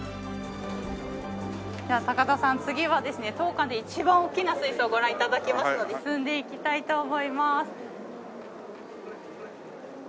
では高田さん次はですね当館で一番大きな水槽をご覧頂きますので進んでいきたいと思います。